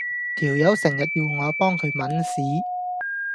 條友成日要我幫佢抆屎